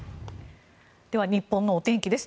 では日本のお天気です。